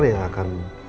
yang akan menjaga